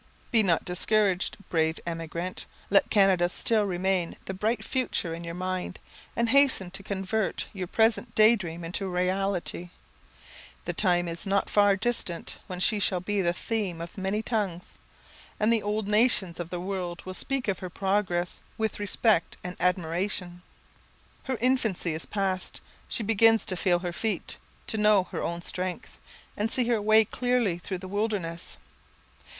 Be not discouraged, brave emigrant. Let Canada still remain the bright future in your mind, and hasten to convert your present day dream into reality. The time is not far distant when she shall be the theme of many tongues, and the old nations of the world will speak of her progress with respect and admiration. Her infancy is past, she begins to feel her feet, to know her own strength, and see her way clearly through the wilderness.